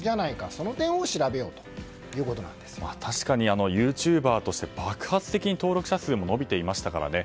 その点を確かにユーチューバーとして爆発的に登録者数も伸びていましたからね。